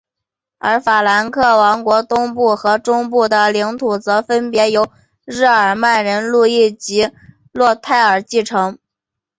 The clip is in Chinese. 而法兰克王国东部和中部的领土则分别由日耳曼人路易及洛泰尔继承。